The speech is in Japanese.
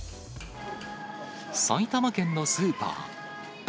埼玉県のスーパー。